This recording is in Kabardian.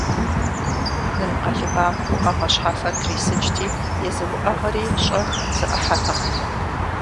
Гын къэлыбам уӏэгъэ щхьэфэр трисыкӏти, езы уӏэгъэри щӏэх зэӏыхьэтэкъым.